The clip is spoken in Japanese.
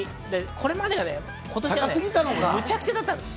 これまでがむちゃくちゃだったんです。